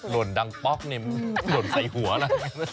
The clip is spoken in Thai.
หล่นดังป๊อกนิ้มหล่นใส่หัวนะ